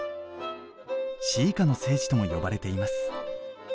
詩歌の聖地とも呼ばれています。